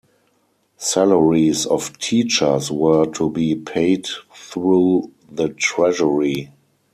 Salaries of teachers were to be paid through the treasury.